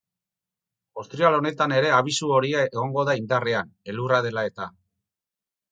Ostiral honetan ere abisu horia egongo da indarrean, elurra dela-eta.